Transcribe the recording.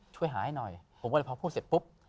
ช่วยหาให้หน่อยผมก็เลยพอพูดเสร็จปุ๊บ